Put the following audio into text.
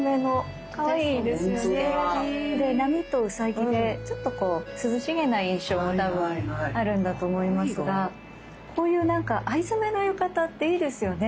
で波とウサギでちょっとこう涼しげな印象があるんだと思いますがこういう藍染めの浴衣っていいですよね。